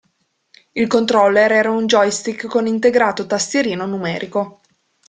Il controller era un joystick con integrato tastierino numerico.